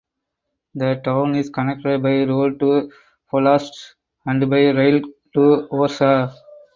The town is connected by road to Polatsk and by rail to Orsha.